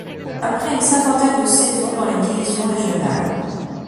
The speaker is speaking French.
Après une cinquantaine de saisons dans les divisions régionales.